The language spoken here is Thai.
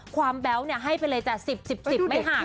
ความแบ๊วน์ให้ไปเลยจ๊ะ๑๐๑๐ไม่ห่าง